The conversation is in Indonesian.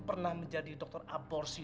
pernah menjadi dokter aborsi